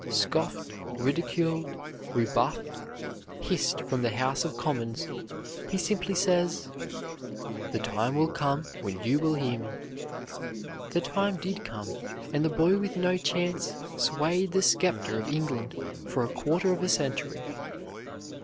Scoffed, ridiculed, rebuffed, hissed from the House of Commons, he simply says, "The time will come when you will hear me." The time did come, and the boy with no chance swayed the scepter of England for a quarter of a century.